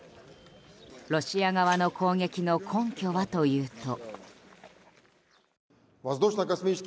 ロシア側の攻撃の根拠はというと。